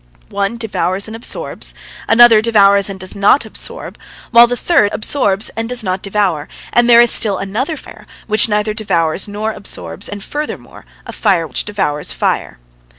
One devours and absorbs, another devours and does not absorb, while the third absorbs and does not devour, and there is still another fire, which neither devours nor absorbs, and furthermore a fire which devours fire.